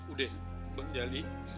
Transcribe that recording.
udah bang jali